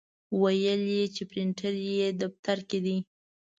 ویل یې چې پرنټر یې دفتر کې دی.